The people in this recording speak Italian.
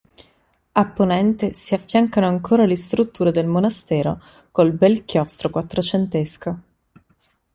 A ponente si affiancano ancora le strutture del monastero col bel chiostro quattrocentesco.